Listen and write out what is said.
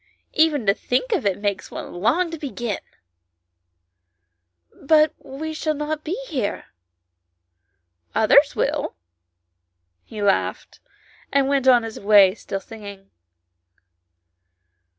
Even to think of it makes one long to begin." " But we shall not be here." " Others will;" he laughed, and went on his way still singing.